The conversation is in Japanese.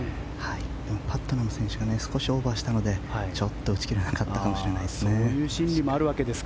パットナム選手が少しオーバーしたのでちょっと打ち切れなかったかもしれないです。